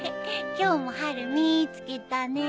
今日も春見つけたね。